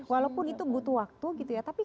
walaupun itu butuh waktu gitu ya tapi